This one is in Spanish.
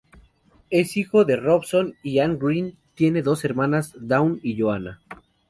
Es hijo de Robson y Ann Green, tiene dos hermanas Dawn y Joanna.